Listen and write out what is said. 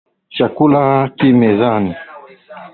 Chakula ki mezani.